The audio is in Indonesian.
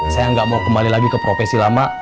saya nggak mau kembali lagi ke profesi lama